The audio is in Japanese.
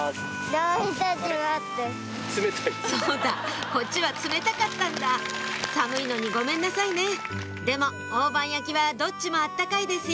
そうだこっちは冷たかったんだ寒いのにごめんなさいねでも大判焼きはどっちも温かいですよ